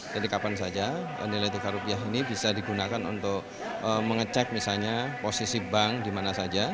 jadi kapan saja nilai tukar rupiah ini bisa digunakan untuk mengecek misalnya posisi bank di mana saja